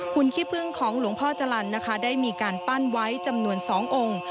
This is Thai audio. คุณขี้พึ่งของหลวงพ่อจรรย์นะคะได้มีการปั้นไว้จำนวน๒องค์